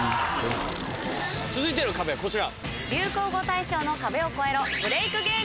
続いての壁こちら。